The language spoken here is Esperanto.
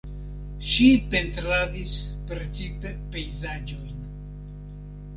Ŝi pentradis precipe pejzaĝojn.